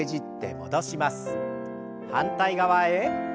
反対側へ。